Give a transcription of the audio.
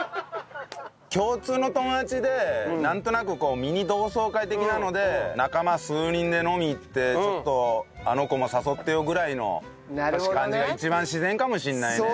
共通の友達でなんとなくミニ同窓会的なので仲間数人で飲み行ってちょっとあの子も誘ってよぐらいの感じが一番自然かもしれないね。